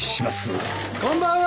・こんばんは！